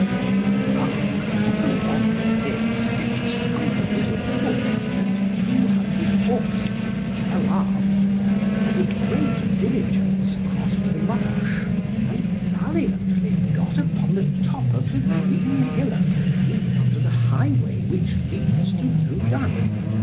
The monk took along with him six companies of foot and two hundred horsemen well armed, and with great diligence crossed the marsh, and valiantly got upon the top of the green hillock even unto the highway which leads to Loudun.